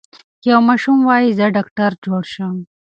یو ماشوم وايي زه ډاکټر جوړ شم.